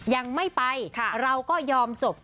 ยังไม่ไปเราก็ยอมจบ